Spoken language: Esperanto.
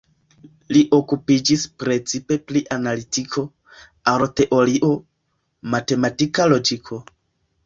Li okupiĝis precipe pri analitiko, aroteorio, matematika logiko.